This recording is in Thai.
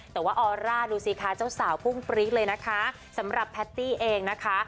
แต่ว่าออร่าดูสิคะเจ้าสาวพุ่งปรี๊ดเลยนะคะสำหรับแพตตี้เองนะคะ